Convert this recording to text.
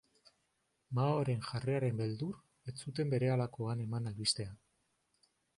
Maoren jarreraren beldur, ez zuten berehalakoan eman albistea.